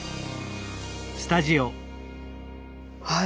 はい。